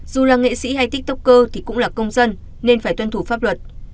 dù là nghệ sĩ hay tiktoker thì cũng là công dân nên phải tuân thủ pháp luật